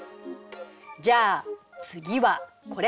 じゃあ次はこれ。